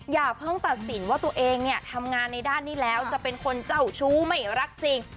อย่าเพิ่งตัดสินว่าตัวเองเนี่ยทำงานในด้านนี้แล้วจะเป็นคนเจ้าชู้ไม่รักจริง